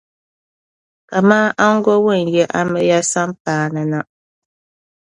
kaman aŋgo ŋun yi amiliya sampaa ni na.